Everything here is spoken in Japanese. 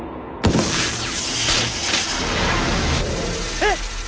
えっ！？